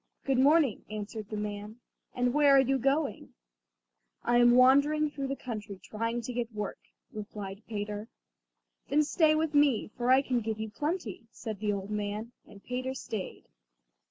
"Good morning," answered the old man; "and where are you going?" "I am wandering through the country trying to get work," replied Peter. "Then stay with me, for I can give you plenty," said the old man, and Peter stayed.